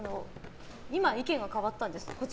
今、意見が変わったんです。